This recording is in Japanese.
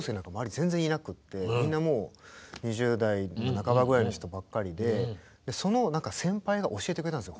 全然いなくてみんなもう２０代半ばぐらいの人ばっかりでその先輩が教えてくれたんですよ。